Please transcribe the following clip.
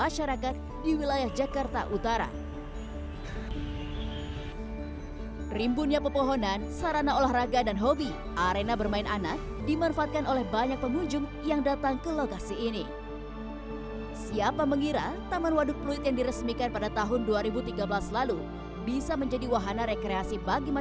satu lebih aman untuk bencana ya